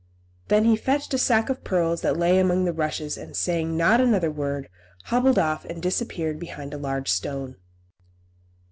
Then he fetched a sack of pearls that lay among the rushes, and saying not another word, hobbled off and disappeared behind a large stone.